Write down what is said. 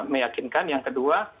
meyakinkan yang kedua